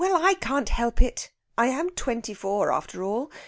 I can't help it. I am twenty four, after all.